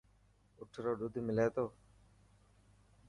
اٺ رو ڏوڌ ملي تو؟